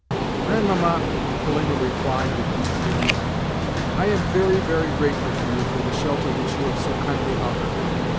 "Grandmamma," Polina replied with deep feeling, "I am very, very grateful to you for the shelter which you have so kindly offered me.